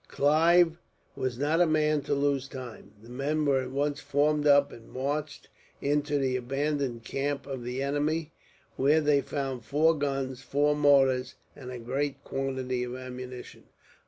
Clive was not a man to lose time. The men were at once formed up, and marched into the abandoned camp of the enemy; where they found four guns, four mortars, and a great quantity of ammunition.